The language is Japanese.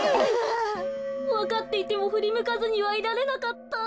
わかっていてもふりむかずにはいられなかった。